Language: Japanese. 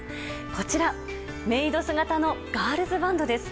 こちら、メイド姿のガールズバンドです。